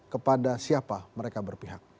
kepada siapa mereka berpihak